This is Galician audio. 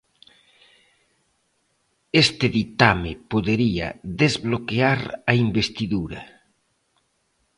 Este ditame podería desbloquear a investidura.